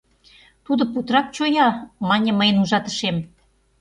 — Тудо путырак чоя, — мане мыйын ужатышем.